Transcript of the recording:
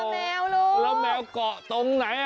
แล้วแมวก็ตรงไหน